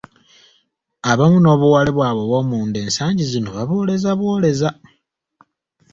Abamu n'obuwale bwabwe obw'omunda ensangi zino babubooleza bwoleza!